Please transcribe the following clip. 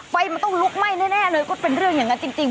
ไฟมันต้องลุกไหม้แน่เลยก็เป็นเรื่องอย่างนั้นจริง